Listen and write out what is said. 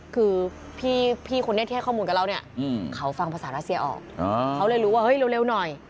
คือพี่คนนี้ที่ให้ข้อมูลกับเราเนี่ยเขาฟังภาษารัสเซียออกเขาเลยรู้ว่าเฮ้ยเร็วหน่อย